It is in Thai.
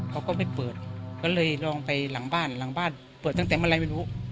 เขาก็ไม่เปิดก็เลยลองไปหลังบ้านหลังบ้านเปิดตั้งแต่เมื่อไหร่ไม่รู้